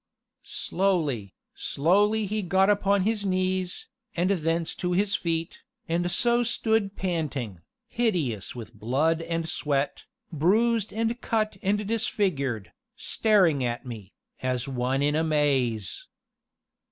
Slowly, slowly he got upon his knees, and thence to his feet, and so stood panting, hideous with blood and sweat, bruised and cut and disfigured, staring at me, as one in amaze.